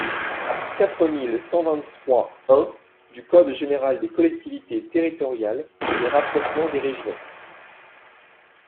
quatre mille cent vingt-trois-un du code général des collectivités territoriales, le rapprochement des régions.